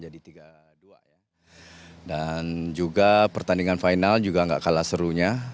dan juga pertandingan final juga tidak kalah serunya